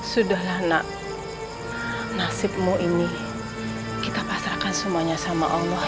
sudahlah nak nasibmu ini kita pasrahkan semuanya sama allah